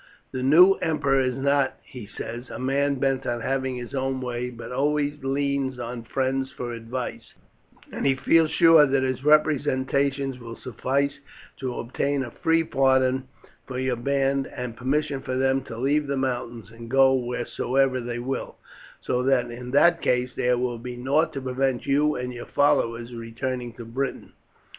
The new emperor is not, he says, a man bent on having his own way, but always leans on friends for advice, and he feels sure that his representations will suffice to obtain a free pardon for your band, and permission for them to leave the mountains and go wheresoever they will, so that in that case there will be nought to prevent you and your followers returning to Britain."